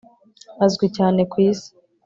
azwi cyane ku isi